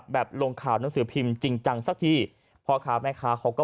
ลงข่าวหนังสือพิมพ์จริงจังสักทีพ่อค้าแม่ค้าเขาก็